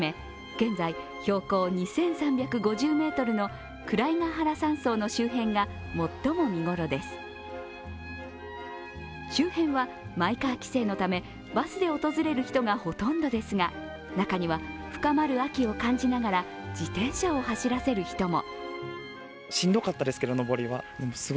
現在、周辺はマイカー規制のため、バスで訪れる人がほとんどですが中には、深まる秋を感じながら自転車を走らせる人も。